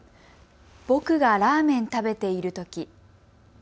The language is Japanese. ぼくがラーメンたべてるとき。